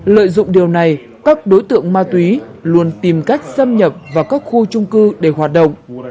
lợi dụng điều này các đối tượng ma túy luôn tìm cách xâm nhập vào các khu trung cư để hoạt động